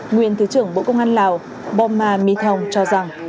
nguyên thứ trưởng bộ công an lào bò ma my thông cho rằng